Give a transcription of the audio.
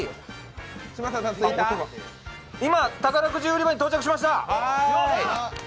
今、宝くじ売り場に到着しました！